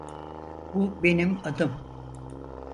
Bu benim adım.